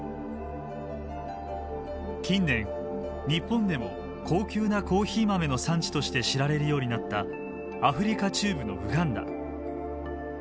近年日本でも高級なコーヒー豆の産地として知られるようになったアフリカ中部のウガンダ。